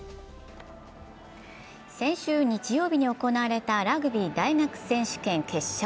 先週日曜日に行われたラグビー大学選手権決勝。